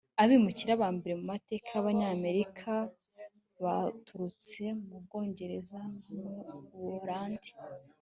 Abimukira ba mbere mu mateka yAbanyamerika baturutse mu Bwongereza no mu Buholandi